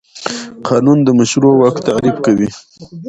قانون د مشروع واک تعریف کوي.